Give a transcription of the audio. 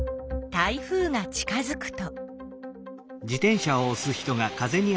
台風が近づくと。